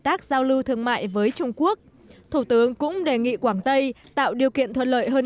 tác giao lưu thương mại với trung quốc thủ tướng cũng đề nghị quảng tây tạo điều kiện thuận lợi hơn